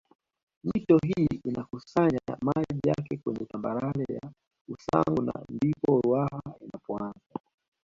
Mito hii inakusanya maji yake kwenye tambarare ya Usangu na ndipo Ruaha inapoanza